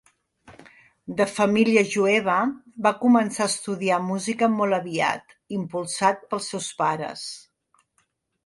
De família jueva, va començar a estudiar música molt aviat, impulsat pels seus pares.